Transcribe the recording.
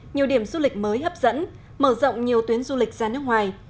nhiều điểm du lịch mới hấp dẫn mở rộng nhiều tuyến du lịch ra nước ngoài